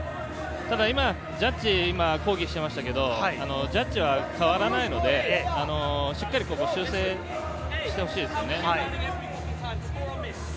今、ジャッジ、抗議していましたが、ジャッジは変わらないので、しっかりここは修正をしてほしいですね。